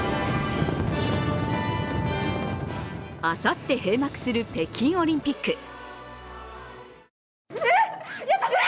あさって閉幕する北京オリンピック。